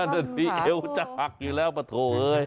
แค่ตอนนี้เอวจะหักอยู่แล้วป่ะโถ่